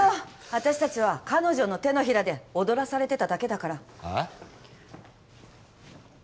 私たちは彼女の手のひらで踊らされてただけだからええ？